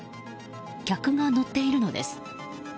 客が乗っているのです。